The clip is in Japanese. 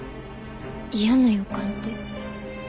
嫌な予感て？